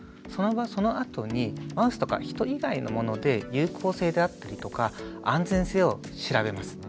そのあとにマウスとか人以外のもので有効性であったりとか安全性を調べます。